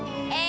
ini ada a